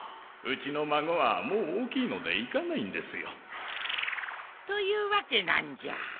うちの孫はもう大きいので行かないんですよという訳なんじゃ。